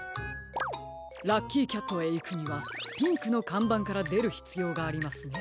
ラッキーキャットへいくにはピンクのかんばんからでるひつようがありますね。